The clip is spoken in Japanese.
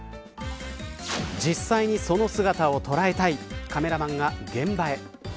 実際にその姿を捉えたいカメラマンが現場へ。